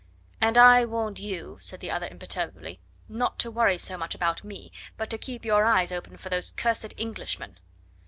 "And I warned you," said the other imperturbably, "not to worry so much about me, but to keep your eyes open for those cursed Englishmen."